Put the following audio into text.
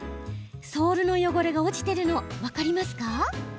ソールの汚れが落ちてるの分かりますか？